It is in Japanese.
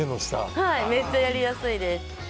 めっちゃやりやすいです。